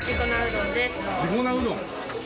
地粉うどん？